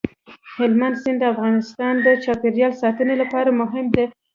هلمند سیند د افغانستان د چاپیریال ساتنې لپاره مهم دي.